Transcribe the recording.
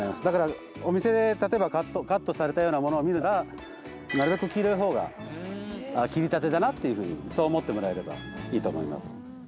だからお店で例えばカットされたようなものを見るならなるべく黄色い方が切りたてだなっていうふうにそう思ってもらえればいいと思います。